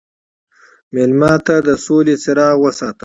مېلمه ته د سولې څراغ وساته.